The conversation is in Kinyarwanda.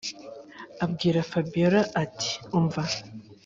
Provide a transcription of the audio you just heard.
abwira fabiora ati”umva